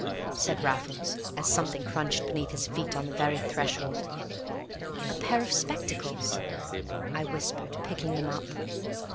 said Raffles, as something crunched beneath his feet on the very threshold. "A pair of spectacles," I whispered, picking them up.